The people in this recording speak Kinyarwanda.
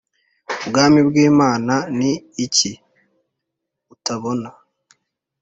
Ubwami bw Imana ni iki utabona